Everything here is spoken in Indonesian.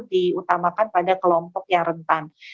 diutamakan pada kelompok yang rentan